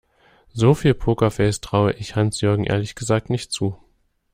So viel Pokerface traue ich Hans-Jürgen ehrlich gesagt nicht zu.